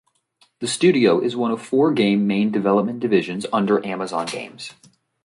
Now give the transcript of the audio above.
The studio is one of four game main development divisions under Amazon Games.